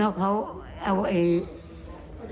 นอกเขาเอาเอก